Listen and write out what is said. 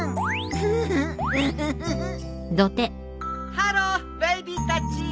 ハローベイビーたち。